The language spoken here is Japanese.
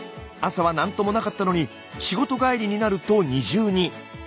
朝は何ともなかったのに仕事帰りになると２重に。